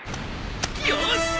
よし！